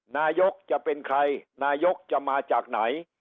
นายกจะเป็นใครนายกจะมาจากไหน